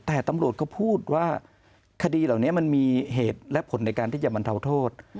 แต่ตำรวจก็พูดว่าคดีเหล่านี้มันมีเหตุและผลในการที่จะบรรเทาโทษ